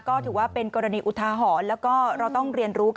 ก็ถือว่าเป็นกรณีอุทาหรณ์แล้วก็เราต้องเรียนรู้กัน